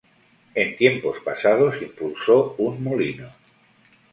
En tiempos pasados impulsó un molino.